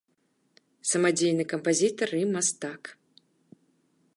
Самадзейны кампазітар і мастак.